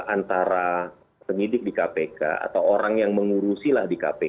antara penyidik di kpk atau orang yang mengurusilah di kpk